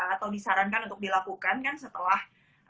atau disarankan untuk dilakukan kan setelah